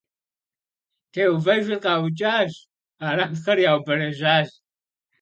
Теувэжыр къаукӀащ, Арахъыр яубэрэжьащ.